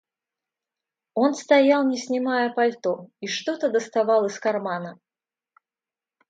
Он стоял, не снимая пальто, и что-то доставал из кармана.